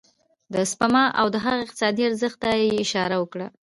د سپما او د هغه اقتصادي ارزښت ته يې اشاره وکړه.